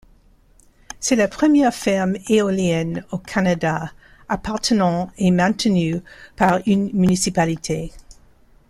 C'est la première ferme éolienne au Canada appartenant et maintenue par une municipalité.